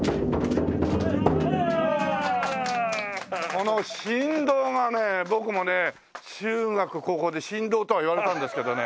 この振動がね僕もね中学高校で神童とは言われたんですけどね。